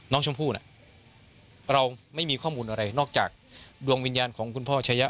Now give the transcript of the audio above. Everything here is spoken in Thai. น้องชมพู่น่ะเราไม่มีข้อมูลอะไรนอกจากดวงวิญญาณของคุณพ่อชะยะ